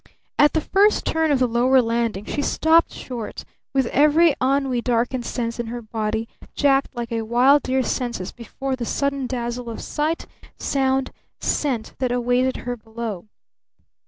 At the first turn of the lower landing she stopped short, with every ennui darkened sense in her body "jacked" like a wild deer's senses before the sudden dazzle of sight, sound, scent that awaited her below.